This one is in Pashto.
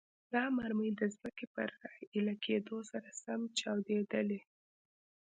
دا مرمۍ د ځمکې پر راایلې کېدو سره سم چاودیدلې.